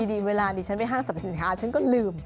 ดีเวลาดิฉันไปห้างสรรพสินค้าฉันก็ลืม